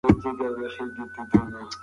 ماشوم د مور په غېږ کې د امن احساس کاوه.